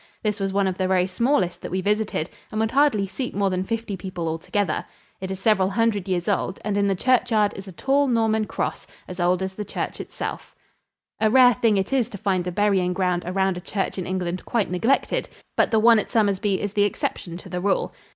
This was one of the very smallest that we visited and would hardly seat more than fifty people altogether. It is several hundred years old, and in the churchyard is a tall, Norman cross, as old as the church itself. [Illustration: SOMERSBY CHURCH.] A rare thing it is to find the burying ground around a church in England quite neglected, but the one at Somersby is the exception to the rule.